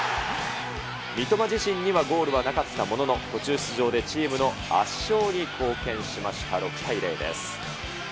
三笘自身にはゴールはなかったものの、途中出場でチームの圧勝に貢献しました、６対０です。